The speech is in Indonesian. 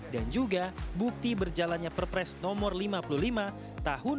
dan juga bukti berjalannya perpres nomor lima puluh lima tahun dua ribu dua puluh